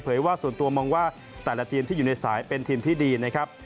ว่าส่วนตัวมองว่าแต่ละทีมที่อยู่ในสายเป็นทีมที่ดีนะครับ